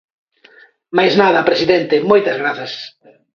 Máis nada, presidente, moitas grazas.